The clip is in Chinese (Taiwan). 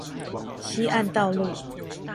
西岸道路